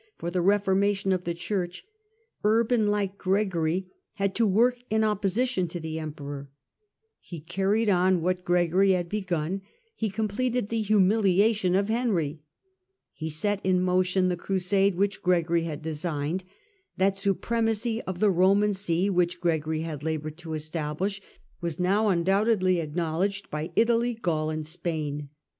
for the reformation of the Church, Urban, like Gregory, had to work in opposition to the emperor ; he carried on what Gregory had begun ; he completed the humiliiition of Henry; he set in motion the crusade which Gregory had designed; that supremacy of the Boman See which Gregory had laboured to establish was now un doubtedly acknowledged by Italy, Gaul, and Spain.